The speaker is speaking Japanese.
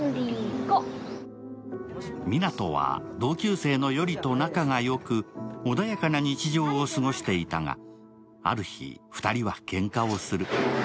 湊は同級生の依里と仲が良く穏やかな日常を過ごしていたがある日、２人はけんかをする。